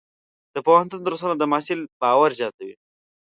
د پوهنتون درسونه د محصل باور زیاتوي.